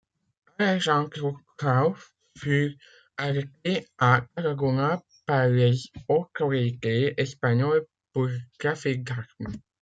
Alejandro Cao fut arrêté à Tarragona par les autorités espagnoles pour trafic d'armes.